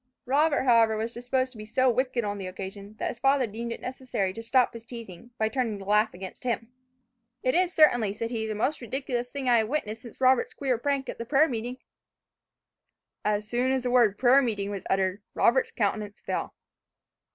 Robert, however, was disposed to be so wicked on the occasion, that his father deemed it necessary to stop his teasing, by turning the laugh against him. "It is certainly," said he, "the most ridiculous thing I have witnessed since Robert's queer prank at the prayer meeting." As soon as the word "prayer meeting" was uttered, Robert's countenance fell.